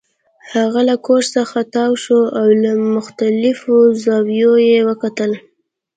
هغه له کوچ څخه تاو شو او له مختلفو زاویو یې وکتل